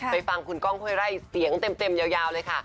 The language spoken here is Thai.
ฟังคุณก้องห้วยไร่เสียงเต็มยาวเลยค่ะ